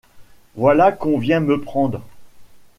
Voilà qu’on vient me prendre.